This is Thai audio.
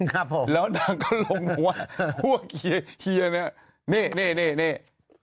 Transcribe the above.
ครับผมแล้วนางก็ลงหัวพวกเฮียเฮียเนี่ยเนี่ย